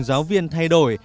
giáo viên thay đổi